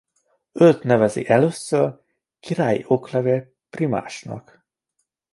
Őt nevezi először királyi oklevél prímásnak.